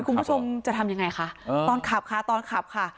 คุณผู้ชมจะทำยังไงคะตอนขับค่ะตอนขับค่ะ